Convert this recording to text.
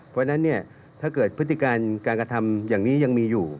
เพราะฉะนั้นเนี่ยถ้าเกิดพฤติการการกระทำอย่างนี้ยังมีอยู่